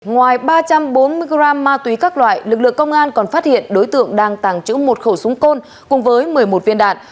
ngoài ba trăm bốn mươi g ma túy các loại lực lượng công an còn phát hiện đối tượng đang tàng trữ một khẩu súng côn cùng với một mươi một viên đạn